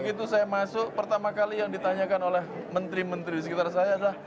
begitu saya masuk pertama kali yang ditanyakan oleh menteri menteri di sekitar saya adalah